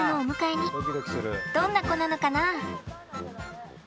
どんな子なのかな？